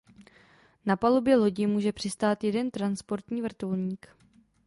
Na palubě lodi může přistát jeden transportní vrtulník.